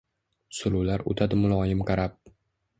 Suluvlar utadi muloyim qarab